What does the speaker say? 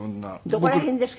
どこら辺ですか？